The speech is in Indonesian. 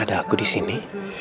ada aku disini